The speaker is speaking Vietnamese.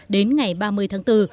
đến ngày ba mươi tháng bốn